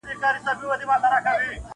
او بخښنه مي له خدایه څخه غواړم--!